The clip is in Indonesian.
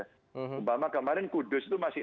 umpama kemarin kudus itu masih